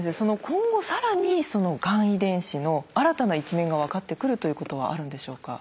今後更にそのがん遺伝子の新たな一面が分かってくるということはあるんでしょうか？